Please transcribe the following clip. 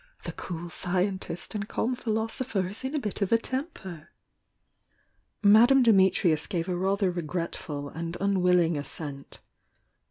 The cool scientist and calm philosopher is in a bit of a temper!" Madame Dimitrius gave a rather regretful and unwilling assent.